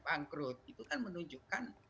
pangkrut itu kan menunjukkan